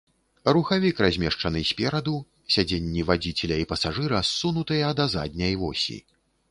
Рухавік размешчаны спераду, сядзенні вадзіцеля і пасажыра ссунутыя да задняй восі.